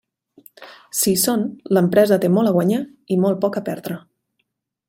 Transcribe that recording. Si hi són, l'empresa té molt a guanyar i molt poc a perdre.